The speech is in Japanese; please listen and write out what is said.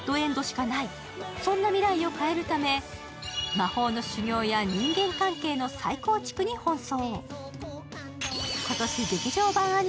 魔法の修業や人間関係の構築に奔走。